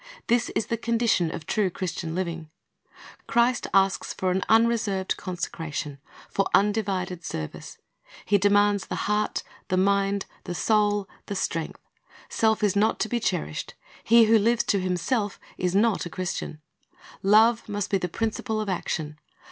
This is the condition of true Christian living. Christ asks for an 'John 6:60 2john 3 : 7, 3, margin "The Soiver Went Forth to Sozv*' 49 unreserved consecration, for undivided service. He demands the heart, the mind, the soul, the strength. Self is not to be cherished. He who lives to himself is not a Christian. Love must be the principle of action.